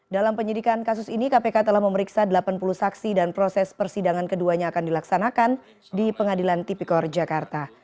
dalam penyidikan kasus ini kpk telah memeriksa delapan puluh saksi dan proses persidangan keduanya akan dilaksanakan di pengadilan tipikor jakarta